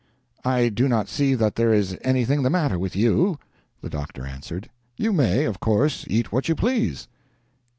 "I do not see that there is anything the matter with you," the doctor answered, "you may, of course, eat what you please."